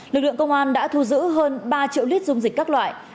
lực lượng công an đã thu giữ hơn ba triệu lít dung dịch các loại